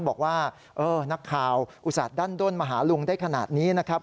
บอกว่านักข่าวอุตส่าหั้นด้นมาหาลุงได้ขนาดนี้นะครับ